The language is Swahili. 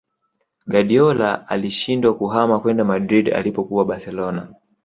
Guardiola alishindwa kuhama kwenda Madrid alipokuwa Barcelona